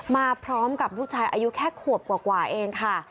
มาพร้อมกับลูกชายอายุแค่ขวบกว่าเองค่ะ